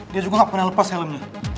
dia juga gak pernah lepas helmnya